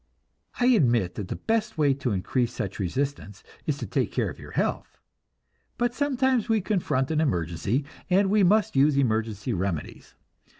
I admit that the best way to increase such resistance is to take care of your health; but sometimes we confront an emergency, and must use emergency remedies.